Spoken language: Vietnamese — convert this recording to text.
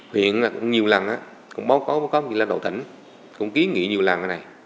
hiện là nhiều lần cũng có một lần đậu tỉnh cũng ký nghị nhiều lần